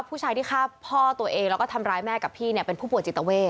ผู้ชายที่ฆ่าพ่อตัวเองแล้วก็ทำร้ายแม่กับพี่เนี่ยเป็นผู้ป่วยจิตเวท